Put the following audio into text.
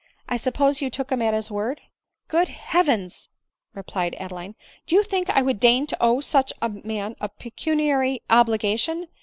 I suppose you took him at his word ¥ 9 " Good Heavens !" replied Adeline, " Do you think I would deign to owe such a man a pecuniary obligation